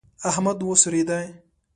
احمد وسورېدی.